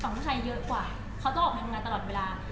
ผู้ชายเยอะกว่าเขาต้องออกไปทำงานตลอดเวลา